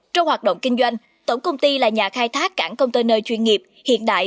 trong hoạt động kinh doanh tổng công ty là nhà khai thác cảng container chuyên nghiệp hiện đại